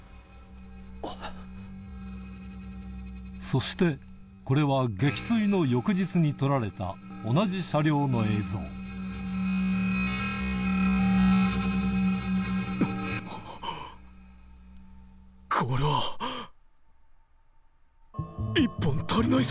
そしてこれは撃墜の翌日に撮られた同じ車両の映像はっ。